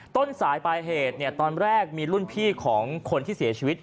ต้นสายปลายเหตุตอนแรกมีรุ่นพี่ของคนที่เสียชีวิต